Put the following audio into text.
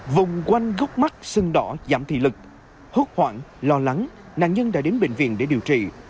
vùng quanh gốc mắt sưng đỏ giảm thị lực hốt hoảng lo lắng nạn nhân đã đến bệnh viện để điều trị